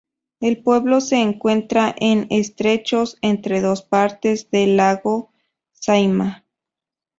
El pueblo se encuentra en estrechos entre dos partes del Lago Saimaa.